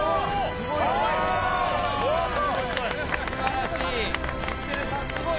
すばらしい！